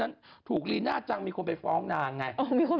ลีน่าจังลีน่าจังลีน่าจังลีน่าจัง